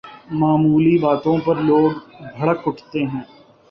معمولی باتوں پر لوگ بھڑک اٹھتے ہیں۔